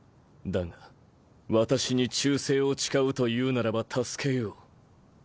だが私に忠誠を誓うというならば助けよう。